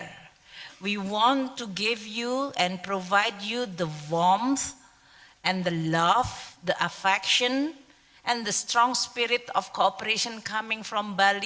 kami ingin memberi anda dan memberikan anda kegembiraan cinta dan keinginan yang kuat dari kooperasi yang datang dari bali